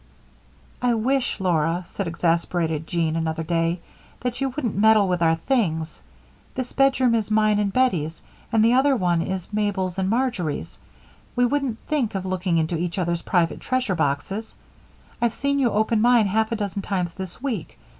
"I wish, Laura," said exasperated Jean, another day, "that you wouldn't meddle with our things. This bedroom is mine and Bettie's, and the other one is Mabel's and Marjory's. We wouldn't think of looking into each other's private treasure boxes. I've seen you open mine half a dozen times this week.